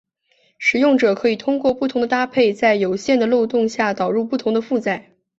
使用者可以通过不同的搭配在有限的漏洞下导入不同的负载。